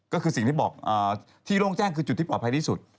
ก็คือสิ่งที่บอกที่โล่งแจ้งคือจุดที่ปลอดภัยที่สุด